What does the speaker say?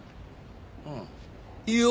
うんいいよ？